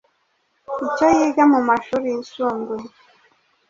icyo yiga mu mashuri yisumbuye.